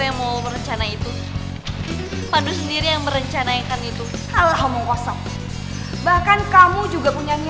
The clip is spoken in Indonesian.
sebentar datang dan lalu pergi